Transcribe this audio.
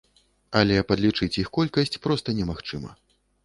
Але падлічыць іх колькасць проста немагчыма.